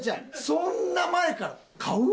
そんな前から買う？